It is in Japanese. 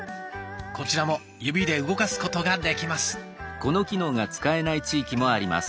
こちらも指で動かすことができます。